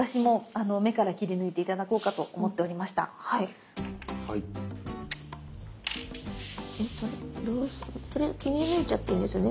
とりあえず切り抜いちゃっていいんですよね？